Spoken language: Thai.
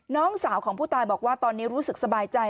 น้องสาวของผู้ตายบอกว่าตอนนี้รู้สึกสบายใจ